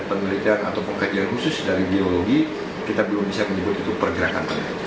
penelitian atau pengkajian khusus dari biologi kita belum bisa menyebut itu pergerakan